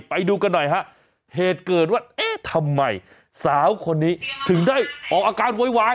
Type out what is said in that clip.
ไปดูกันหน่อยฮะเหตุเกิดว่าเอ๊ะทำไมสาวคนนี้ถึงได้ออกอาการโวยวาย